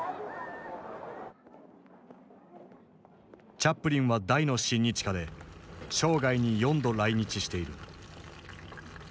チャップリンは大の親日家で生涯に４度来日している。